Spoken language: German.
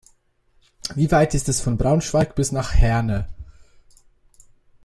Wie weit ist es von Braunschweig bis nach Herne?